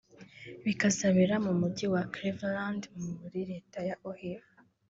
bikazabera mu Mujyi wa Cleveland muri Leta ya Ohio